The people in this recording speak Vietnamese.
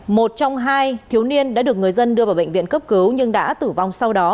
một trong hai thiếu niên đã được người dân đưa vào bệnh viện cấp cứu nhưng đã tử vong sau đó